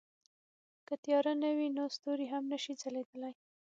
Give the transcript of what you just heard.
که تیاره نه وي نو ستوري هم نه شي ځلېدلی.